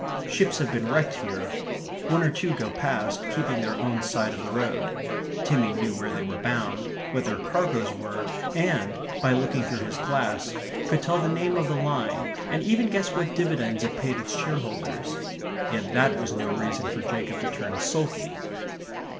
Ships have been wrecked here. One or two go past, keeping their own side of the road. Timmy knew where they were bound, what their cargoes were, and, by looking through his glass, could tell the name of the line, and even guess what dividends it paid its shareholders. Yet that was no reason for Jacob to turn sulky.